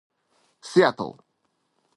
It is licensed to Seattle.